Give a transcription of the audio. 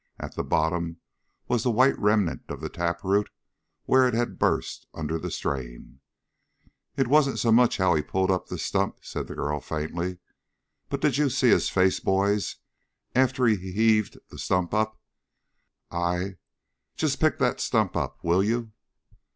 At the bottom was the white remnant of the taproot where it had burst under the strain. "It wasn't so much how he pulled up the stump," said the girl faintly. "But but did you see his face, boys, after he heaved the stump up? I just pick that stump up, will you?"